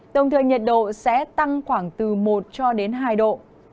đồng thời nhiệt độ sẽ tăng khoảng từ một hai độ